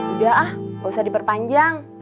udah ah gak usah diperpanjang